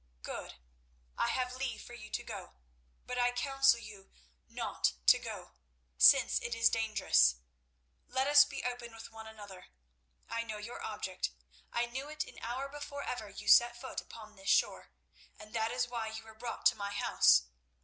"Good. I have leave for you to go; but I counsel you not to go, since it is dangerous. Let us be open with one another. I know your object. I knew it an hour before ever you set foot upon this shore, and that is why you were brought to my house.